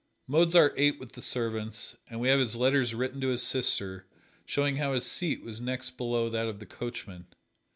Mozart ate with the servants, and we have his letters written to his sister showing how his seat was next below that of the coachman.